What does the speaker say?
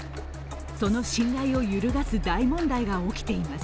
その信頼を揺るがす大問題が起きています。